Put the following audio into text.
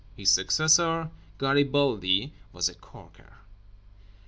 His successor, Garibaldi, was a corker.